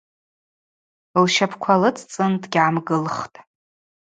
Лщапӏква лыцӏцӏын дыгьгӏамгылхтӏ.